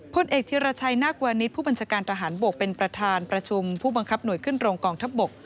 พลเอกธิรชัยนาควานิสผู้บัญชาการทหารบกเป็นประธานประชุมผู้บังคับหน่วยขึ้นโรงกองทัพบก